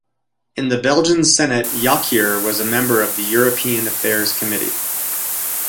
In the Belgian Senate, Jonckheer was a member of the European Affairs Committee.